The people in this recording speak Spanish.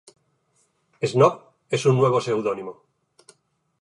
Snob" es un nuevo pseudónimo.